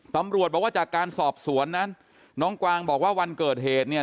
ตำรวจบอกว่าจากการสอบสวนนั้นน้องกวางบอกว่าวันเกิดเหตุเนี่ย